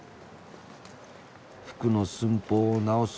服の寸法を直す